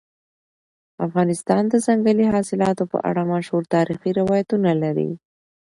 افغانستان د ځنګلي حاصلاتو په اړه مشهور تاریخي روایتونه لري.